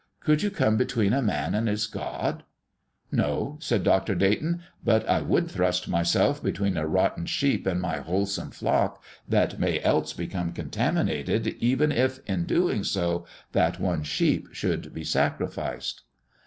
Could you come between a man and his God?" "No," said Dr. Dayton, "but I would thrust myself between a rotten sheep and my wholesome flock, that may else become contaminated, even if, in doing so, that one sheep should be sacrificed."